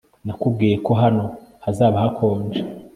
Nakubwiye ko hano hazaba hakonje